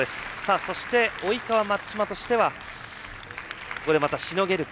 そして、及川、松島としてはここでまたしのげるか。